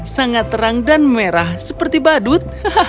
sangat terang dan merah seperti badut